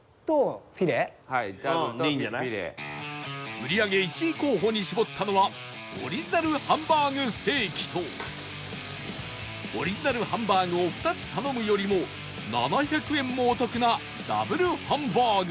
売り上げ１位候補に絞ったのはオリジナルハンバーグを２つ頼むよりも７００円もお得なダブルハンバーグ